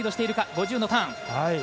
５０のターン。